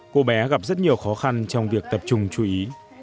cô bé gặp rất nhiều khó khăn trong việc tập trung chú ý